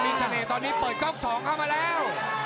มีเสน่ห์ตอนนี้เปิดก๊อก๒เข้ามาแล้ว